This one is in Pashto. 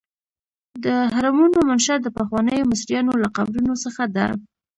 د هرمونو منشا د پخوانیو مصریانو له قبرونو څخه ده.